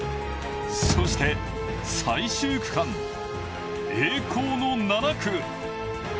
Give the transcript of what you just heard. そして最終区間、栄光の７区。